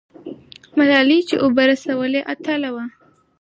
ملالۍ چې اوبه رسولې، اتله وه.